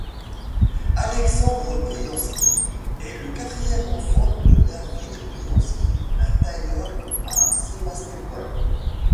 Alexandre Brianski est le quatrième enfant de David Brianski, un tailleur à Sébastopol.